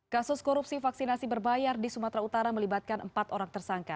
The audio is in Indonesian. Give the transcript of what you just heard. kasus korupsi vaksinasi berbayar di sumatera utara melibatkan empat orang tersangka